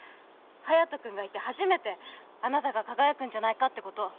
隼人君がいて初めてあなたが輝くんじゃないかってこと